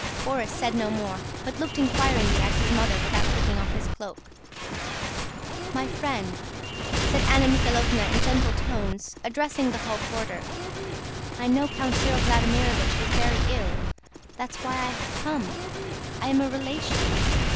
Borís said no more, but looked inquiringly at his mother without taking off his cloak. "My friend," said Anna Mikháylovna in gentle tones, addressing the hall porter, "I know Count Cyril Vladímirovich is very ill... that's why I have come... I am a relation.